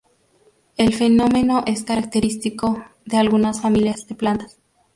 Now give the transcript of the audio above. El fenómeno es característico de algunas familias de plantas.